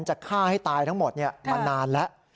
จะฆ่าให้ตายทั้งหมดมานานแล้ว